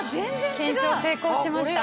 検証成功しました。